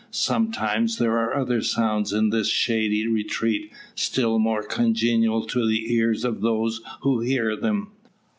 Sometimes there are other sounds in this shady retreat, still more congenial to the ears of those who hear them.